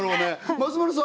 松丸さん